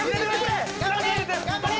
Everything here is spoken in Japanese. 頑張れ！